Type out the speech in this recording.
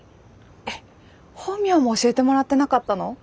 えっ本名も教えてもらってなかったの？